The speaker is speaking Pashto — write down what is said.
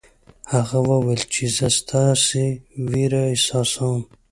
هغه وویل چې زه ستاسې وېره احساسوم.